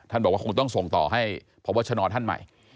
บอกว่าคงต้องส่งต่อให้พบชนท่านใหม่